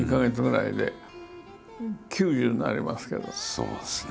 そうですね。